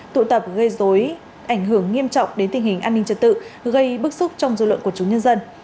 tụ tập gây dối ảnh hưởng nghiêm trọng đến tình hình an ninh trật tự gây bức xúc trong dư luận của chúng nhân dân